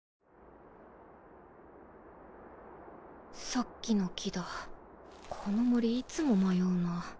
さっきの木だこの森いつも迷うな。